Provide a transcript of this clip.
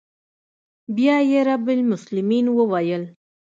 بيا يې رب المسلمين وويل.